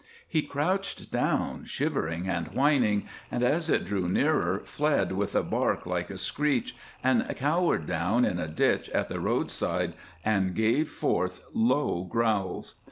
He crouched down, shivering and whining, and as it drew nearer fled with a bark like a screech, and cowered down in the ditch at the roadside and gave forth low growls.